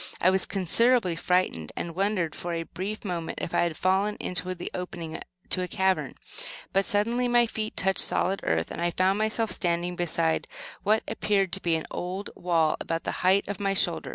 I was considerably frightened, and wondered, for a brief moment, if I had fallen into the opening to a cavern; but suddenly my feet touched solid earth, and I found myself standing beside what appeared to be an old wall about the height of my shoulder.